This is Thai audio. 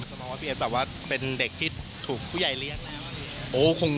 สมมติว่าเป็นเด็กที่ถูกผู้ใหญ่เรียกแล้วหรือยัง